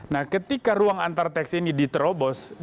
nah ketika ruang antarteks ini diterobos